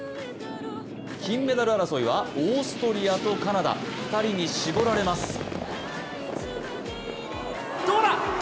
金メダル争いはオーストリアとカナダ、２人に絞られます。